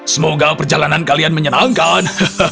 semoga perjalanan kalian menyenangkan